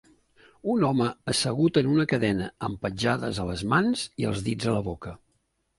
Un home assegut en una cadena amb petjades a les mans i els dits a la boca.